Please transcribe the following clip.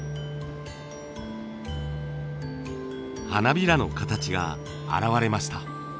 花びらの形が現れました。